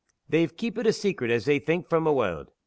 They've keepit it a secret as they think from a' the warld.